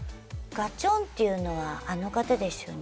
ガチョーンっていうのはあの方ですよね。